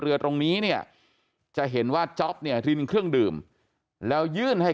เรือตรงนี้เนี่ยจะเห็นว่าจ๊อปเนี่ยรินเครื่องดื่มแล้วยื่นให้